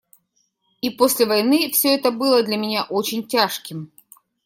И после войны все это было для меня очень тяжким.